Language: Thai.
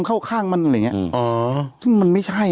โอ้ยใช่